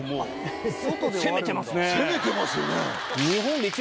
攻めてますよね。